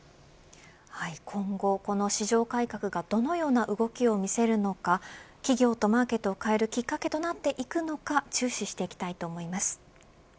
今後、この市場改革がどのような動きを見せるのか企業とマーケットを変えるきっかけとなっていくのか注視していきたいと思います。